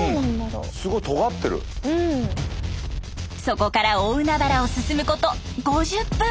そこから大海原を進むこと５０分。